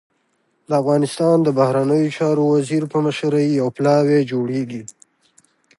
د افغانستان د بهرنیو چارو وزیر په مشرۍ يو پلاوی جوړېږي.